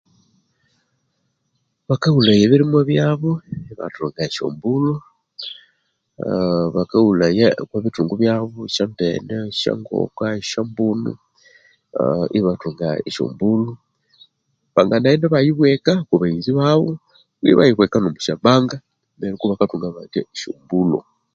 Bakawulhaya ebirimwa byabo ebathunga esyombulho eeeeee bakawulhaya emethungu taboo eshyombene eshongoko esyombunu aaaaaa ebathunga esyombulho banganaghenda ebayibweka okwabaghenzi babo kwihi ebayaghebwaka omwa syobanga neryo kubakathunga bakya esyombulho